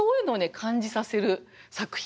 感じさせる作品。